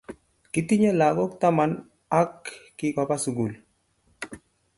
Kitinye lakok taman ak kikoba sukul